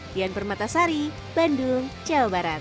dian permata sari bandung jawa barat